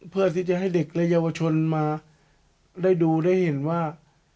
เพื่อที่จะให้เด็กและเยาวชนมาได้ดูได้เห็นว่า